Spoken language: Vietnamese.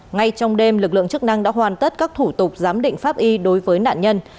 ngay trong đêm lực lượng chức năng đã hoàn tất các thủ tục giám định pháp y đối với nạn nhân